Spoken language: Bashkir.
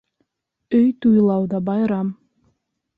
Өй туйлау ҙа байрам